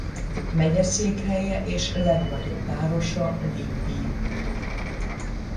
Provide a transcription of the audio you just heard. Megyeszékhelye és legnagyobb városa Libby.